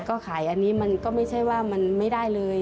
ก็ขายอันนี้มันก็ไม่ใช่ว่ามันไม่ได้เลย